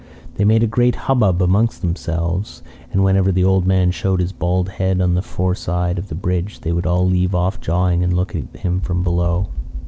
They made a great hubbub amongst themselves, and whenever the old man showed his bald head on the foreside of the bridge, they would all leave off jawing and look at him from below.